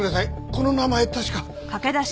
この名前確か。